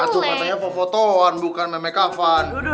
antum katanya foto fotoan bukan memakeupan